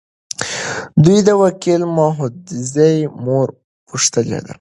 دوی د وکیل محمدزي مور پوښتلي ده.